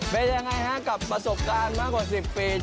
เป็นยังไงฮะกับประสบการณ์มากกว่า๑๐ปี